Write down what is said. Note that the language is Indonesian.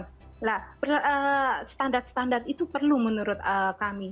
nah standar standar itu perlu menurut kami